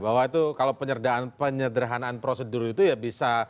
bahwa itu kalau penyederhanaan prosedur itu ya bisa